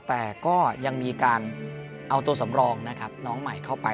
แต่ก็ยังมีการเอาตัวสำรองนะครับน้องใหม่เข้าไป